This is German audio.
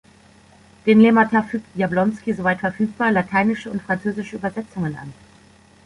Den Lemmata fügt Jablonski, soweit verfügbar, lateinische und französische Übersetzungen an.